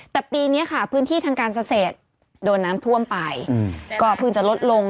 แต่ปีนี้ค่ะพื้นที่ทางการเกษตรโดนน้ำท่วมไปก็เพิ่งจะลดลง